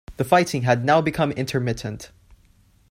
The fighting had now become intermittent.